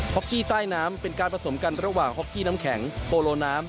็อกกี้ใต้น้ำเป็นการผสมกันระหว่างฮอกกี้น้ำแข็งโปโลน้ำ